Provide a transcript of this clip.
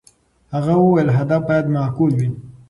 هغه وویل، هدف باید معقول وي.